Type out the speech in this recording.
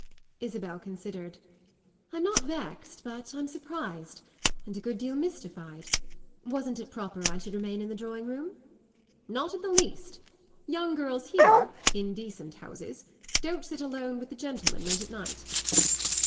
Isabel considered. "I'm not vexed, but I'm surprised and a good deal mystified. Wasn't it proper I should remain in the drawing room?" "Not in the least. Young girls here in decent houses don't sit alone with the gentlemen late at night."